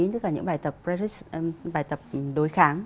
tức là những bài tập đối kháng